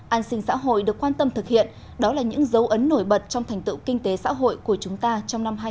an sinh xã hội được quan tâm thực hiện đó là những dấu ấn nổi bật trong thành tựu kinh tế xã hội của chúng ta trong năm hai nghìn hai mươi